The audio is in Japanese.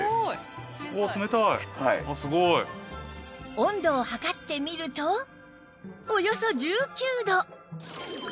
温度を測ってみるとおよそ１９度